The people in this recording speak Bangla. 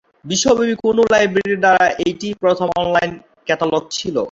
বিশ্বব্যাপী কোনও লাইব্রেরির দ্বারা এটিই প্রথম অনলাইন ক্যাটালগ ছিল।